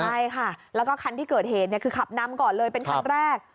ใช่ค่ะแล้วก็คันที่เกิดเหตุคือขับนำก่อนเลยเป็นคันแรก